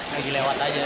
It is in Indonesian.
lagi lewat aja